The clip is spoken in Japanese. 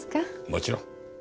もちろん。